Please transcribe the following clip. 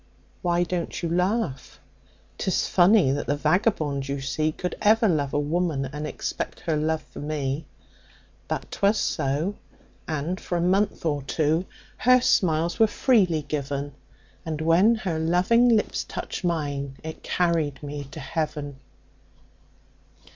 "Why don't you laugh? 'Tis funny that the vagabond you see Could ever love a woman, and expect her love for me; But 'twas so, and for a month or two, her smiles were freely given, And when her loving lips touched mine, it carried me to Heaven.